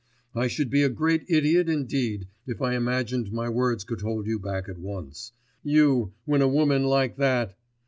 I should be a great idiot indeed, if I imagined my words could hold you back at once ... you, when a woman like that....